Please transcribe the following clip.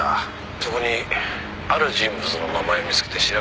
「そこにある人物の名前を見つけて調べてみた」